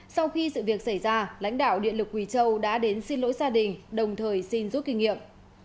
sau khi sự việc xảy ra lãnh đạo điện lực quỳ châu đã đến xin lỗi gia đình đồng thời xin rút kinh nghiệm